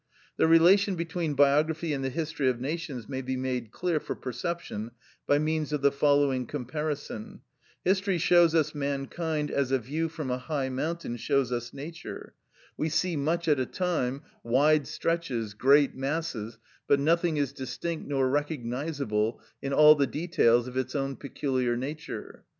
The relation between biography and the history of nations may be made clear for perception by means of the following comparison: History shows us mankind as a view from a high mountain shows us nature; we see much at a time, wide stretches, great masses, but nothing is distinct nor recognisable in all the details of its own peculiar nature.